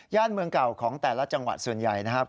เมืองเก่าของแต่ละจังหวัดส่วนใหญ่นะครับ